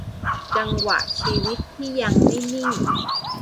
จังหวะชีวิตที่ยังไม่นิ่ง